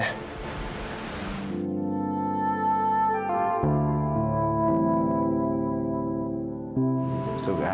ya aku berangkat